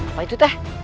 apa itu teh